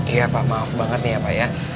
iya pak maaf banget nih ya pak ya